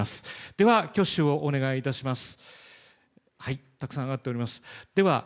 では、挙手をお願いいたします。